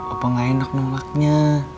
opa gak enak nolaknya